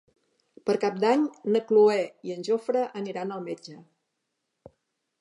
Per Cap d'Any na Cloè i en Jofre aniran al metge.